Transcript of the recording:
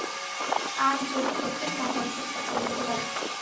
আর যদি প্রস্তুত না হয়, চুপচাপ চলে যেতে বল।